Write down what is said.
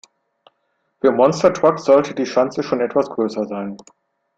Für Monstertrucks sollte die Schanze schon etwas größer sein.